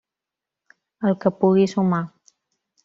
El que pugui sumar.